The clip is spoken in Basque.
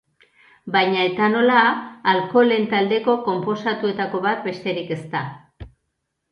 Baina Etanola alkoholen taldeko konposatuetako bat besterik ez da.